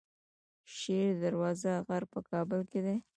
شیر دروازه غر په کابل کې دی